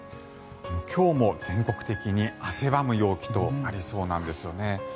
今日も全国的に汗ばむ陽気となりそうなんでしょね。